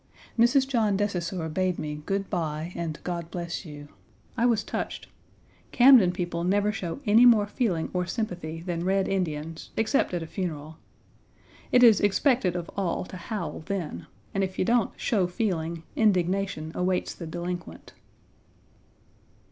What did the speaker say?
Mrs. John de Saussure bade me good by and God bless you. I was touched. Camden people never show any more feeling or sympathy than red Indians, except at a funeral. It is expected of all to howl then, and if you don't "show feeling," indignation awaits the delinquent.